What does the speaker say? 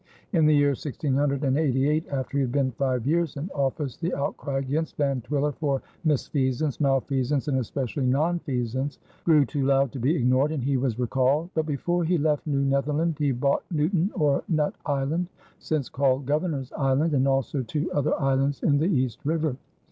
In the year 1688, after he had been five years in office, the outcry against Van Twiller for misfeasance, malfeasance, and especially nonfeasance, grew too loud to be ignored, and he was recalled; but before he left New Netherland he bought Nooten or Nut Island, since called Governor's Island, and also two other islands in the East River.